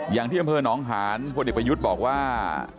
อย่างที่อำเภอหนองหานพลเอกประยุทธ์บอกว่า